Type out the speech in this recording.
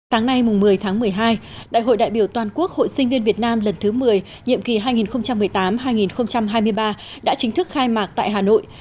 sáng nay một mươi tháng một mươi hai đại hội đại biểu toàn quốc hội sinh viên việt nam lần thứ một mươi nhiệm kỳ hai nghìn một mươi tám hai nghìn hai mươi ba đã chính thức khai mạc tại hà nội